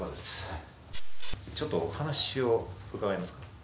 ちょっとお話を伺えますか？